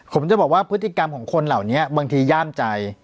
ผมจะบอกว่าพฤติกรรมของคนเหล่านี้บางทีย่ามใจ